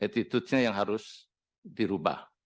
attitude nya yang harus dirubah